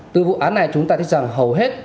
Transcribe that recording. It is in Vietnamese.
từ vụ án này chúng ta thấy rằng hầu hết